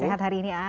sehat hari ini ah